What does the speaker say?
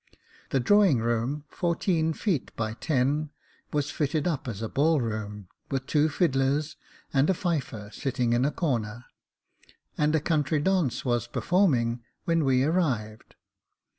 The drawing room, fourteen feet by ten, was fitted up as a ball room, with two fiddlers and a fifer sitting in a corner, and a country dance was performing when we arrived.